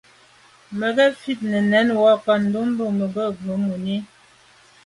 Mə́ gə̀ fít nə̀ nɛ̌n wákà ndɛ̂mbə̄ yɑ̀mə́ má gə̀ rə̌ mòní.